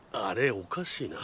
おかしいな。